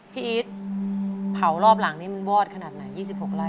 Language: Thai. อีทเผารอบหลังนี่มันวอดขนาดไหน๒๖ไร่